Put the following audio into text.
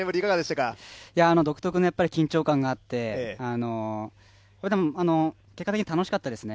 独特の緊張感があって結果的に楽しかったですね。